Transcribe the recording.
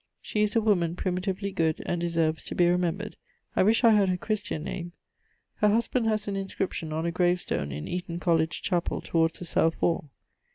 She is a woman primitively good, and deserves to be remembred. I wish I had her Christian name. Her husband has an inscription on a gravestone in Eaton College chapel towards the south wall.